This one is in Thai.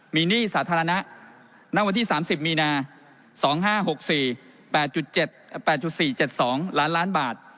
มีหนี้สาธารณะณวันที่๓๐มีนา๒๕๖๔๘๗๘๔๗๒ล้านล้านบาท